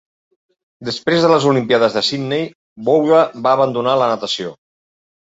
Després de les Olimpíades de Sidney, Wouda va abandonar la natació.